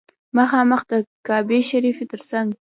مخامخ د کعبې شریفې تر څنګ.